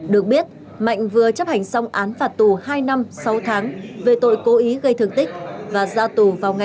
được biết mạnh vừa chấp hành xong án phạt tù hai năm sáu tháng về tội cố ý gây thường tích và giả t molto rằng nha